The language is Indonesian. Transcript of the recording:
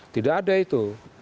tidak ada itu